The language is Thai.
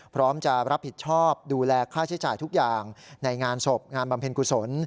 พร้อมจะรับผิดชอบดูแลค่าใช้จ่ายทุกอย่างในงานศพงานบำเพ็ญกุศล